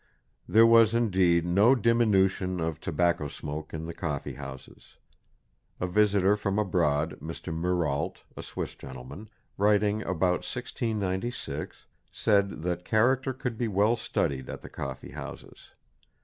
There was indeed no diminution of tobacco smoke in the coffee houses. A visitor from abroad, Mr. Muralt, a Swiss gentleman, writing about 1696, said that character could be well studied at the coffee houses.